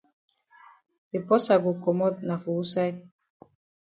De porsa go komot na for wusaid?